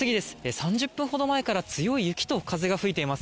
３０分ほど前から強い雪と風が吹いています。